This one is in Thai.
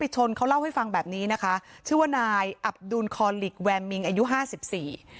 ชื่อนายอัปดูลคอลลิกแวมมิงอายุห้าสิบสี่